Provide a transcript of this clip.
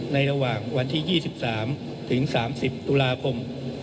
ระหว่างวันที่๒๓ถึง๓๐ตุลาคม